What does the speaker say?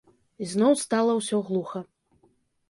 Ізноў стала ўсё глуха.